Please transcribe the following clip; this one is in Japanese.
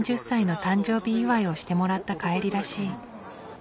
４０歳の誕生日祝いをしてもらった帰りらしい。